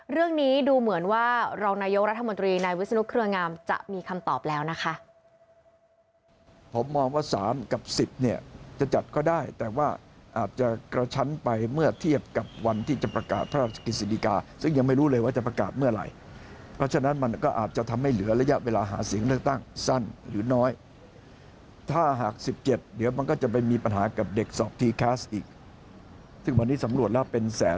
เรื่องนี้ดูเหมือนว่ารองนายกรัฐมนตรีนายวิศนุเครืองามจะมีคำตอบแล้วนะคะ